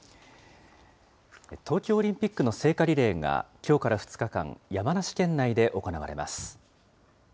東京オリンピックの聖火リレーがきょうから２日間、山梨県内で行われます。